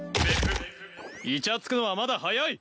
イチャつくのはまだ早い。